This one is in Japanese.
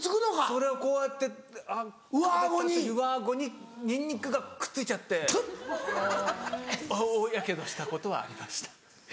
それをこうやって食べた時上顎にニンニクがくっついちゃって大やけどしたことはありました。